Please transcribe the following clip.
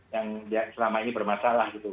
yang selama ini bermasalah gitu